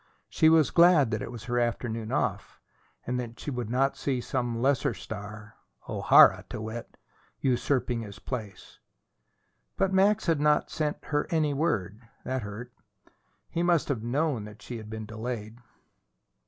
She was glad that it was her afternoon off, and that she would not see some lesser star O'Hara, to wit usurping his place. But Max had not sent her any word. That hurt. He must have known that she had been delayed.